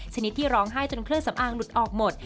ชนิดที่ร้องไห้จนเครื่องสำอางหลุดออกหมด